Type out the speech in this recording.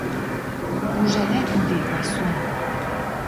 Уж ӓлякӹм вет, Вайсона